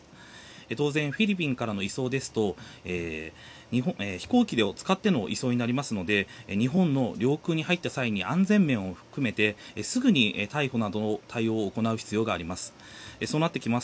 当然フィリピンからの移送ですと飛行機を使っての移送になりますので日本の領空に入った際に安全面を含めてすぐに逮捕などの対応を行う必要があります。